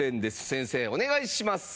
先生お願いします。